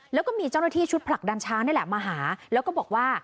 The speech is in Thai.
แล้วก็มีเจ้าหน้าที่ชุดผลักดันช้างนี่แหละมาหาแล้วก็บอกว่า